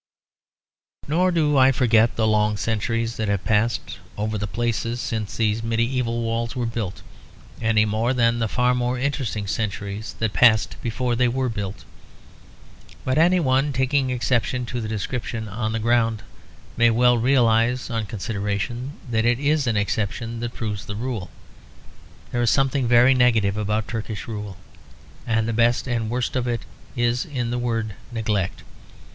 Nor do I forget the long centuries that have passed over the place since these medieval walls were built, any more than the far more interesting centuries that passed before they were built. But any one taking exception to the description on that ground may well realise, on consideration, that it is an exception that proves the rule. There is something very negative about Turkish rule; and the best and worst of it is in the word neglect.